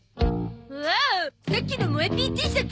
おおさっきのもえＰＴシャツ。